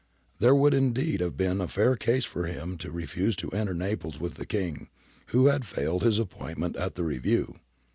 There would indeed have been a fair case for him to refuse to enter Naples with the King who had failed his appointment at the review.